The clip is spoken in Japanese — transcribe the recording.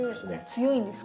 強いんですね。